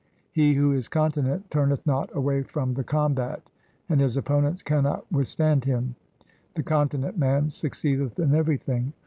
He who is continent, turneth not away from the combat, LIFE OF GURU GOBIND SINGH 239 and his opponents cannot withstand him. The continent man succeedeth in everything.